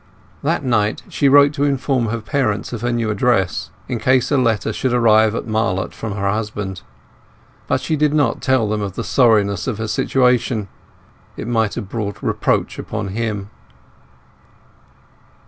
That night she wrote to inform her parents of her new address, in case a letter should arrive at Marlott from her husband. But she did not tell them of the sorriness of her situation: it might have brought reproach upon him.